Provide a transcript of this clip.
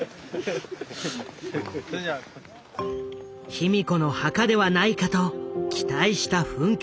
卑弥呼の墓ではないかと期待した墳丘墓。